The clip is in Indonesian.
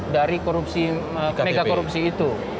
dari korupsi mega korupsi itu